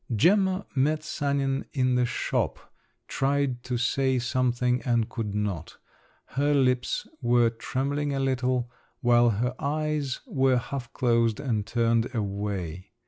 Gemma met Sanin in the shop; tried to say something and could not. Her lips were trembling a little, while her eyes were half closed and turned away.